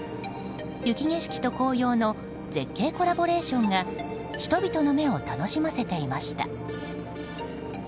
雪景色と紅葉の絶景コラボレーションが人々の目を楽しませていました。